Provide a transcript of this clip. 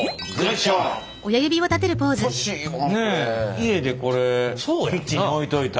家でこれキッチンに置いといたら。